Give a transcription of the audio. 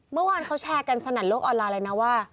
เมื่อวานเขาแชร์กันสนั่นโลกออนไลน์เลยนะว่า